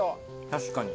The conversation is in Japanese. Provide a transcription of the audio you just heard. ・確かに。